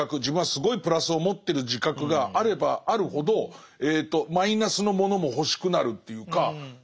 自分はすごいプラスを持ってる自覚があればあるほどマイナスのものも欲しくなるっていうか。